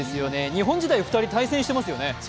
日本時代、２人対戦していますよね？